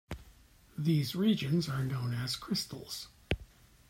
These regions are known as crystals.